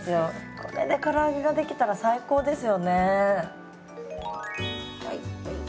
これでから揚げが出来たら最高ですよね。